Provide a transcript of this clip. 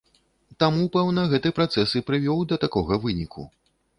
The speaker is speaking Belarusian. Таму, пэўна, гэты працэс і прывёў да такога выніку.